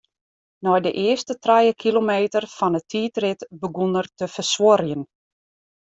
Nei de earste trije kilometer fan 'e tiidrit begûn er te fersuorjen.